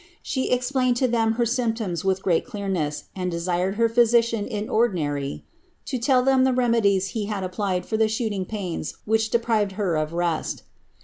She explained to than ' her symptoms with great clearness, and dei«ired her physician in ordi nary ^ to tell them the remedies he had applied for the shooting ptiai ' which deprived her of rest.'